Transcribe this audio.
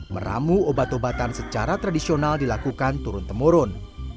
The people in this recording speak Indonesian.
meramu obat obatan secara tradisional dilakukan turun temurun